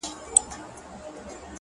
دا هسې خو شمله پۀ سر کږه نۀ ږدمه زۀ